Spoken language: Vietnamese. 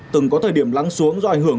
từng có thời điểm lắng xuống do ảnh hưởng